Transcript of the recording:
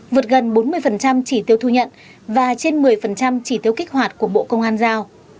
vượt gần bốn mươi chỉ tiêu thu nhận và trên một mươi chỉ tiêu kích hoạt của bộ công an giao